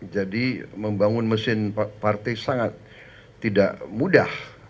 jadi membangun mesin partai sangat tidak mudah